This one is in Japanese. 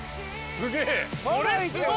すげえ！